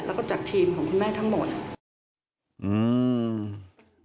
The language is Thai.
แล้วก็จากทีมของคุณแม่ทั้งหมดอืม